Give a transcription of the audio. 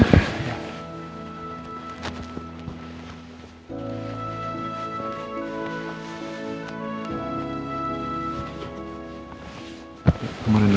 selamat malam renan ya